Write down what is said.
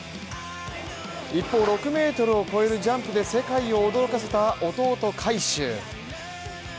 一方、６ｍを超えるジャンプで世界を驚かせた弟・海祝。